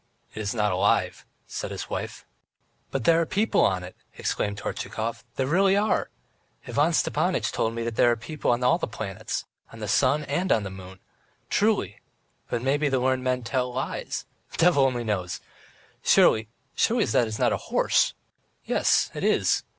"It is not alive," said his wife. "But there are people on it!" exclaimed Tortchakov, "there are really! Ivan Stepanitch told me that there are people on all the planets on the sun, and on the moon! Truly ... but maybe the learned men tell lies the devil only knows! Stay, surely that's not a horse? Yes, it is!"